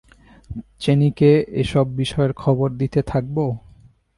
চেনিকে এসব বিষয়ে খবর দিতে থাকবো?